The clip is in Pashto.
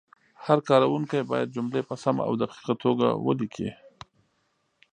هر کارونکی باید جملې په سمه او دقیقه توګه ولیکي.